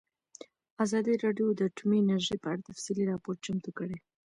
ازادي راډیو د اټومي انرژي په اړه تفصیلي راپور چمتو کړی.